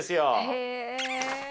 へえ。